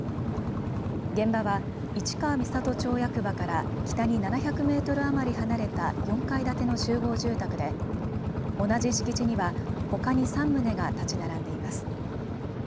現場は市川三郷町役場から北に７００メートル余り離れた４階建ての集合住宅で同じ敷地にはほかに３棟が立ち並んでいます。